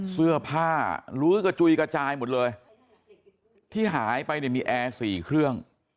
เสื้อผ้าลื้อกระจุยกระจายหมดเลยที่หายไปเนี่ยมีแอร์สี่เครื่อง